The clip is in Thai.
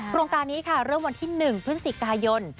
โครงการนี้ค่ะเริ่มวันที่๑พฤศจิกายน